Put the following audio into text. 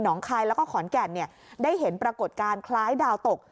คายแล้วก็ขอนแก่นได้เห็นปรากฏการณ์คล้ายดาวตก